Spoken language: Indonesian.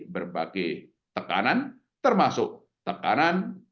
berbagai tekanan termasuk tekanan